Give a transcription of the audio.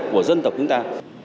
của dân tộc chúng ta